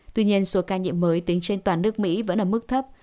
tuy nhiên số ca nhiễm mới tính trên toàn nước mỹ vẫn ở mức thấp